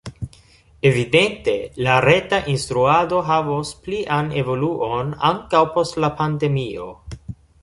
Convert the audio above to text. Evidente la reta instruado havos plian evoluon ankaŭ post la pandemio.